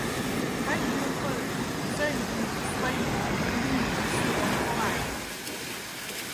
Пойдем, поэт, взорим, вспоем у мира в сером хламе.